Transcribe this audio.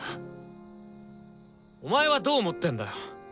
お前はどう思ってんだよ？